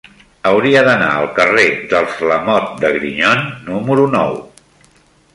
Hauria d'anar al carrer dels Lamote de Grignon número nou.